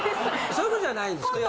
そういう事じゃないんですか。